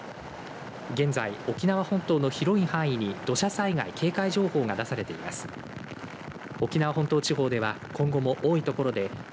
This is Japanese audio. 現在、沖縄本島の広い範囲に土砂災害警戒情報が出されています。